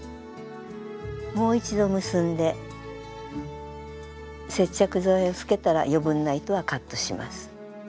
もう一度結んで接着剤をつけたら余分な糸はカットします。